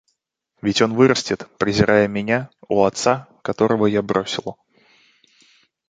Ведь он вырастет, презирая меня, у отца, которого я бросила.